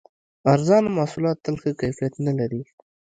ارزانه محصولات تل ښه کیفیت نه لري.